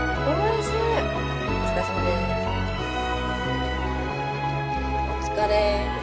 お疲れ。